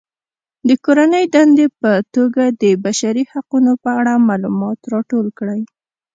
د کورنۍ دندې په توګه د بشري حقونو په اړه معلومات راټول کړئ.